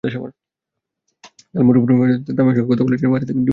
কাল মুঠোফোনে যখন তামিমের সঙ্গে কথা হচ্ছিল, বাসা থেকে তিনি যাচ্ছিলেন টিম হোটেলে।